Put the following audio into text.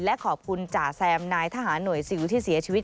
และขอบคุณจ่าแซมนายทหารหน่วยซิลที่เสียชีวิต